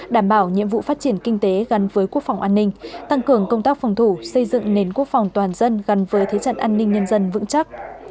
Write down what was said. đảm bảo nhiệm vụ phát triển kinh tế gắn với quốc phòng an ninh tăng cường công tác phòng thủ xây dựng nền quốc phòng toàn dân gắn với thế trận an ninh nhân dân vững chắc